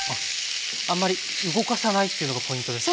あんまり動かさないというのがポイントですか？